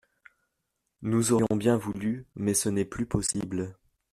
Nous aurions bien voulu, mais ce n’est plus possible.